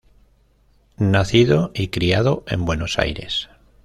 Nacido y criado en Buenos Aires.